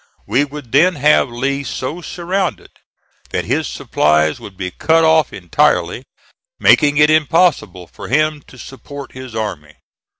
We would then have Lee so surrounded that his supplies would be cut off entirely, making it impossible for him to support his army.